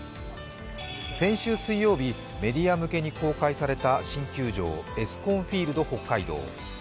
先週水曜日、メディア向けに公開された新球場エスコンフィールド北海道。